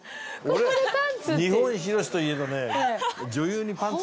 日本広しといえどね。